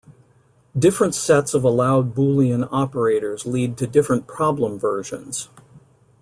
Different sets of allowed boolean operators lead to different problem versions.